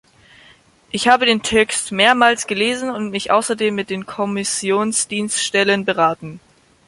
Ich habe den Text mehrmals gelesen und mich außerdem mit den Kommissionsdienststellen beraten.